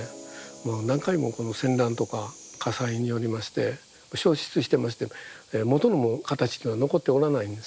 もう何回も戦乱とか火災によりまして焼失してまして元の形では残っておらないんですね。